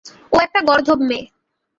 ও একটা গর্দভ মেয়ে।